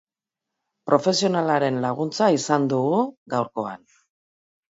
Profesionalaren laguntza izan dugu gaurkoan.